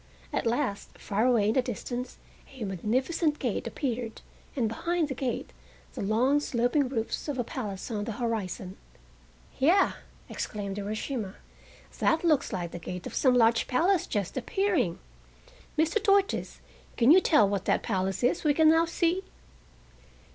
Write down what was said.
At last, far away in the distance a magnificent gate appeared, and behind the gate, the long, sloping roofs of a palace on the horizon. "Ya," exclaimed Urashima. "That looks like the gate of some large palace just appearing! Mr. Tortoise, can you tell what that place is we can now see?"